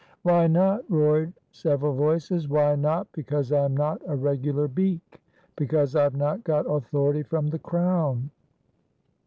"Why not?" roared several voices. "Why not? Because I am not a regular beak; because I have not got authority from the Crown."